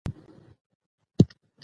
پسرلی د افغان ځوانانو لپاره دلچسپي لري.